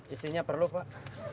isinya perlu pak